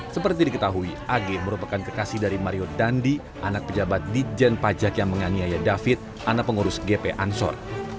seperti diketahui ag merupakan kekasih dari mario dandi anak pejabat di jen pajak yang menganiaya david anak pengurus gp ansor